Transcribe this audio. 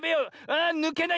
あぬけない。